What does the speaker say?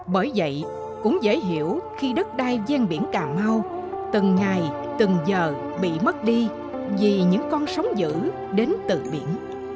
bởi vậy cũng dễ hiểu khi đất đai gian biển cà mau từng ngày từng giờ bị mất đi vì những con sóng giữ đến từ biển